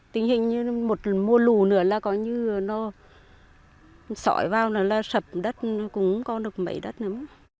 tình hình như một mùa lù nữa là có như nó sỏi vào là sập đất nó cũng không có được mấy đất nữa